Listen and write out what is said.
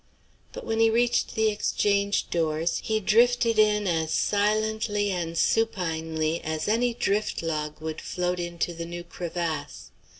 But when he reached the Exchange doors he drifted in as silently and supinely as any drift log would float into the new crevasse.